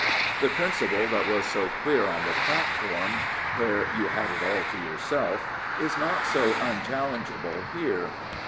The principle that was so clear on the platform, where you had it all to yourself, is not so unchallengeable here.